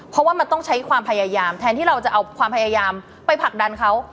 เพราะว่ามันต้องใช้ความพยายามแทนที่เราจะเอาความพยายามไปผลักดันเขา